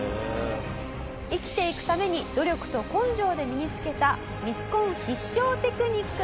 生きていくために努力と根性で身につけたミスコン必勝テクニック。